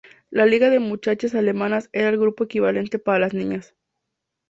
La Liga de Muchachas Alemanas era el grupo equivalente para las niñas.